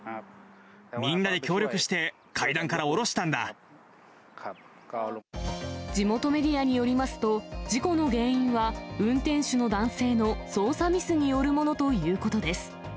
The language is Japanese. みんなで協力して、地元メディアによりますと、事故の原因は、運転手の男性の操作ミスによるものということです。